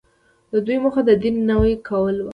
د دوی موخه د دین نوی کول وو.